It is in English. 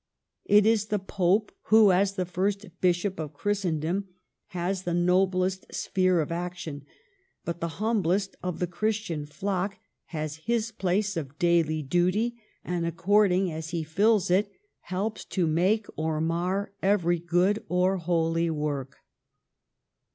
It is the Pope who, as the first Bishop of Christendom, has the noblest sphere of action; but the humblest of the Christian flock has his place of daily duty, and ac cording as he fills it, helps to make or mar every good or holy work."